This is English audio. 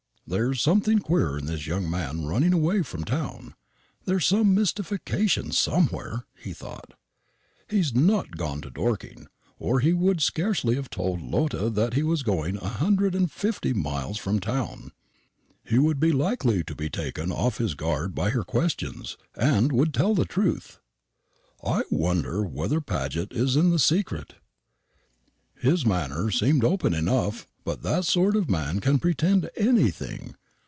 "There's something queer in this young man running away from town; there's some mystification somewhere," he thought. "He has not gone to Dorking, or he would scarcely have told Lotta that he was going a hundred and fifty miles from town. He would be likely to be taken off his guard by her questions, and would tell the truth. I wonder whether Paget is in the secret. His manner seemed open enough; but that sort of man can pretend anything.